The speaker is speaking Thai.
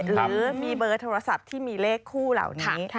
หรือมีเบอร์โทรศัพท์ที่มีเลขคู่เหล่านี้